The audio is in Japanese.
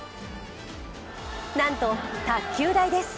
なんと、卓球台です。